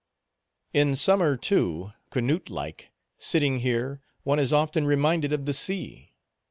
In summer, too, Canute like, sitting here, one is often reminded of the sea.